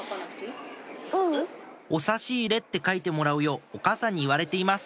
「お差し入れ」って書いてもらうようお母さんに言われてます